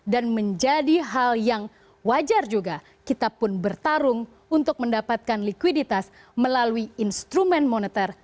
dan menjadi hal yang wajar juga kita pun bertarung untuk mendapatkan likuiditas melalui instrumen moneter